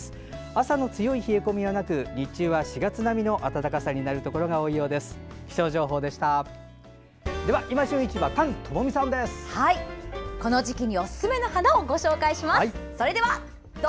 朝の強い冷え込みはなく日中は４月並みの暖かさになるところが多いでしょう。